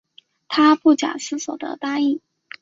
她不假思索的答应